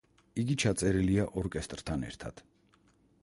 იგი ჩაწერილია ორკესტრთან ერთად.